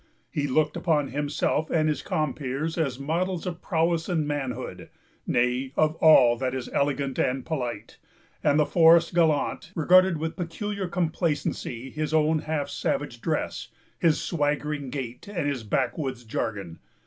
He looked upon himself and his compeers as models of prowess and manhood, nay, of all that is elegant and polite; and the forest gallant regarded with peculiar complacency his own half savage dress, his swaggering gait, and his backwoods jargon.